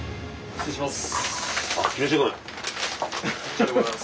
失礼します！